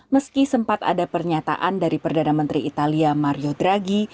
meski sempat ada pernyataan dari perdana menteri italia mario dragi